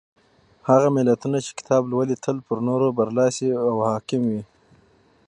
هغه ملتونه چې کتاب لولي تل پر نورو برلاسي او حاکم وي.